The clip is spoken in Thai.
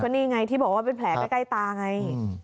นี่ไงที่บอกว่าเป็นแผลใกล้ตาไง